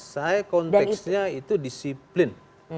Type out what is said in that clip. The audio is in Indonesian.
saya konteksnya itu disiplin